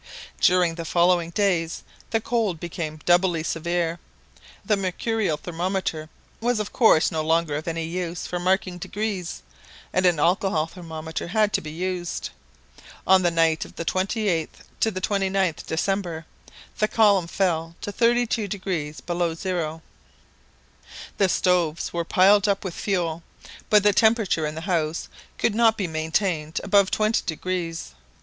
During the following days the cold became doubly severe. The mercurial thermometer was of course no longer of any use for marking degrees, and an alcohol thermometer had to be used. On the night of the 28th to the 29th December the column fell to 32° below zero. The stoves were piled up with fuel, but the temperature in the house could not be maintained above 20° degrees.